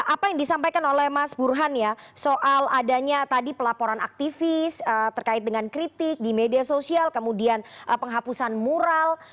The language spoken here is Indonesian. apa yang disampaikan oleh mas burhan ya soal adanya tadi pelaporan aktivis terkait dengan kritik di media sosial kemudian penghapusan mural